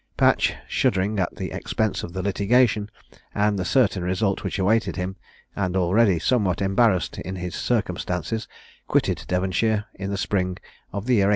Patch, shuddering at the expense of the litigation, and the certain result which awaited him, and already somewhat embarrassed in his circumstances, quitted Devonshire, in the spring of the year 1803.